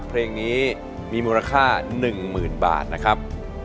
เพลงนี้มีมูลค่า๑๐๐๐บาทนะครับ